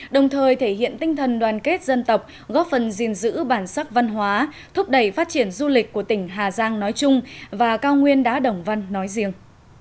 đồng thời thể hiện tinh thần đoàn kết dân tộc góp phần gìn giữ bản sắc văn hóa thúc đẩy phát triển du lịch của tỉnh hà giang nói chung và cao nguyên đá đồng văn nói riêng